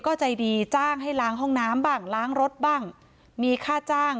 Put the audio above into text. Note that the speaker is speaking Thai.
ก็ใจดีจ้างให้ล้างห้องน้ำบ้างล้างรถบ้างมีค่าจ้าง